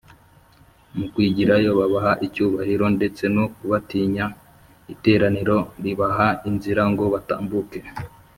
Mu kwigirayo babaha icyubahiro, ndetse no kubatinya, iteraniro ribaha inzira ngo batambuke